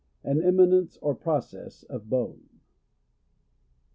An emi nence or process of bone.